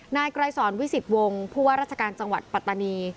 นายไกรสอนวิสิตวงศ์ผู้ว่าราชการจังหวัดปัตตานี